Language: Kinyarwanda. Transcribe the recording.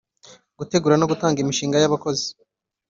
gutegura no gutanga imishahara y’abakozi;